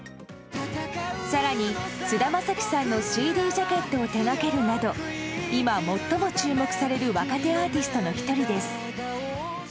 更に、菅田将暉さんのＣＤジャケットを手がけるなど今、最も注目される若手アーティストの１人です。